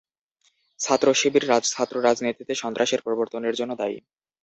ছাত্রশিবির ছাত্ররাজনীতিতে সন্ত্রাসের প্রবর্তনের জন্য দায়ী।